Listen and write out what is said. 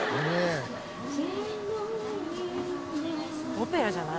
オペラじゃない？